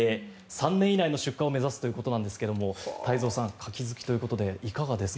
３年以内の出荷を目指すということですが太蔵さん、カキ好きということでいかがですか。